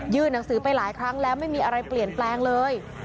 หนังสือไปหลายครั้งแล้วไม่มีอะไรเปลี่ยนแปลงเลย